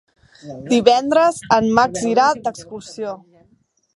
Divendres en Max irà d'excursió.